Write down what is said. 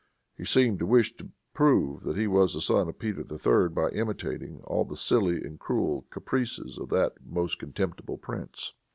He seemed to wish to prove that he was the son of Peter III. by imitating all the silly and cruel caprices of that most contemptible prince.